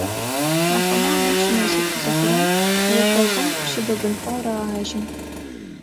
Ахэмэ аныбжь мэзитӏу зыхъурэм, ошъогум щыбыбынхэу рагъажьэ.